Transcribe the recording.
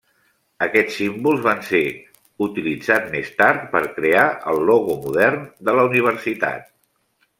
Aquests símbols van ser utilitzats més tard per crear el logo modern de la universitat.